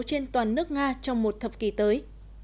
trên toàn nước nga trong một thập kỷ tới